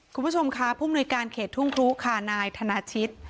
คุณผู้ชมค่ะผู้มนุยการเขตทุ่งครุค่ะนายธนาชิต